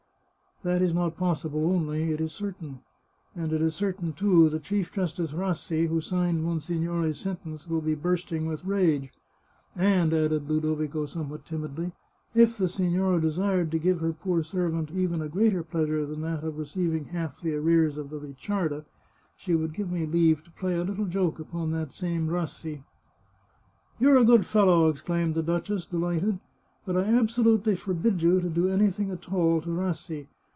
" That is not possible only ; it is certain. And it is cer tain, too, that Chief Justice Rassi, who signed monsignore's sentence, will be bursting with rage. And," added Ludo vico somewhat timidly, " if the signora desired to give her poor servant even a greater pleasure than that of receiving half the arrears of the Ricciarda, she would give me leave to play a little joke upon that same Rassi." " You're a good fellow," exclaimed the duchess, de lighted. " But I absolutely forbid you to do anything at all to Rassi.